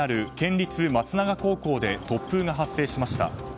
立松永高校で突風が発生しました。